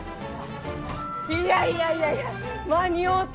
いやいやいやいや間に合うた！